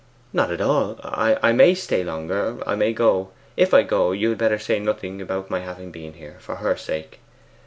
'Not at all. I may stay longer; I may go. If I go, you had better say nothing about my having been here, for her sake.